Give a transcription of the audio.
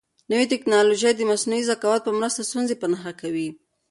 نوې تکنالوژي د مصنوعي ذکاوت په مرسته ستونزې په نښه کوي.